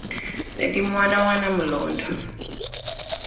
Nze ndi mwana wa Namulondo.